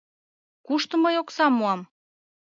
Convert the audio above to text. Кушто мый оксам муам?